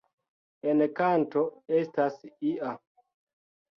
En kanto estas ia.